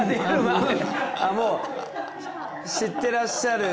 もう知ってらっしゃる。